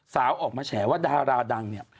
ออกมาแฉว่าดาราดังเนี่ย